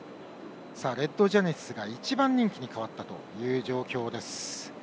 レッドジェネシスが１番人気にかわったという状況です。